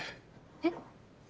えっ？